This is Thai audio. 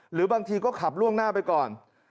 หรือบางทีก็ขับล่วงหน้าไปก่อน